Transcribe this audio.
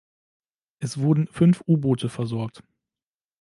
Es wurden fünf U-Boote versorgt.